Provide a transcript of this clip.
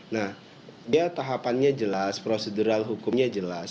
nah dia tahapannya jelas prosedural hukumnya jelas